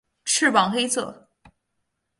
翅膀黑色。